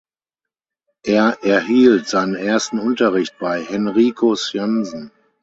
Er erhielt seinen ersten Unterricht bei Henricus Jansen.